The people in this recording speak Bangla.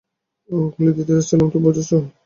গুলি দিতেই যাচ্ছিলাম, তো বুঝেছো?